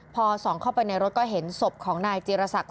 พอส่องเข้าไปในรถก็เห็นศพของนายจีรศักดิ